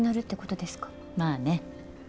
まあね。